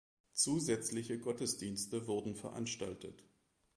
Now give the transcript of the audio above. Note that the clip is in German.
Zusätzliche Gottesdienste wurden veranstaltet.